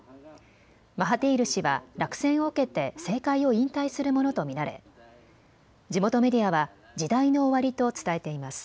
マハティール氏は落選を受けて政界を引退するものと見られ地元メディアは時代の終わりと伝えています。